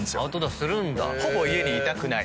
ほぼ家にいたくない。